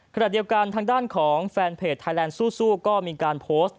ขณะเดียวกันทางด้านของแฟนเพจไทยแลนด์สู้ก็มีการโพสต์